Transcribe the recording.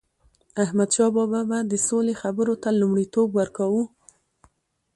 احمدشاه بابا به د سولي خبرو ته لومړیتوب ورکاوه.